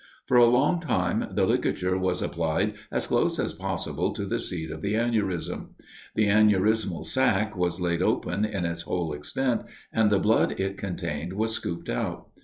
For a long time the ligature was applied as close as possible to the seat of the aneurism: the aneurismal sac was laid open in its whole extent, and the blood it contained was scooped out.